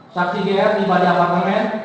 saksi gr di bagian apartemen